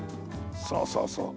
そうそうそう。